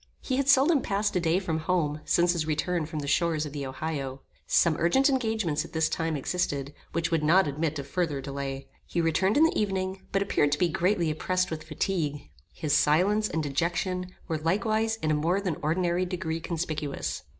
He had seldom passed a day from home since his return from the shores of the Ohio. Some urgent engagements at this time existed, which would not admit of further delay. He returned in the evening, but appeared to be greatly oppressed with fatigue. His silence and dejection were likewise in a more than ordinary degree conspicuous.